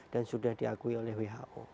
dan sudah diakui oleh who